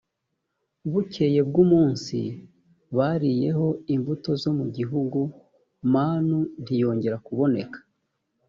bukeye bw’umunsi bariyeho imbuto zo mu gihugu, manu ntiyongera kuboneka.